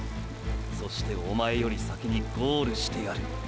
そしておまえより先にゴールしてやる。